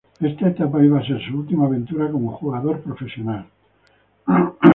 Esta etapa iba a ser su última aventura como jugador profesional.